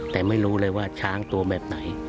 แต่ไม่รู้เลยว่าช้างตัวแบบไหน